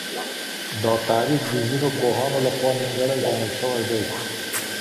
دا تعريف د ځينو پوهانو لخوا نيمګړی ګڼل سوی دی.